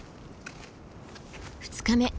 ２日目。